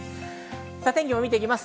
天気を見ていきます。